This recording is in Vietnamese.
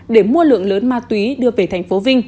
để mua lượng lớn ma túy đưa về thành phố vinh